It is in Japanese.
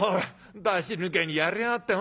出し抜けにやりやがって。